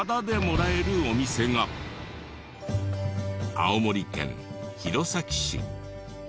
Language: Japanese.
青森県弘前市。